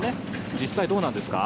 実際どうなんですか？